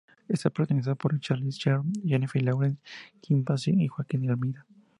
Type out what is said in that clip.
Está protagonizada por Charlize Theron, Jennifer Lawrence, Kim Basinger y Joaquim de Almeida.